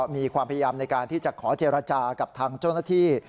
มีความพยายามในการที่จะขอเจรจากับทางเจ้าหน้าที่